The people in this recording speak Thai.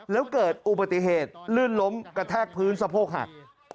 แล้วเกิดอุบัติเหตุลื่นล้มกระแทกพื้นสะโพกหัก